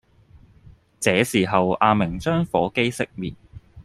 這時候阿明將火機熄滅